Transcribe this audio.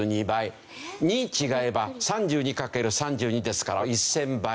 ２違えば３２かける３２ですから１０００倍。